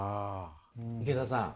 池田さん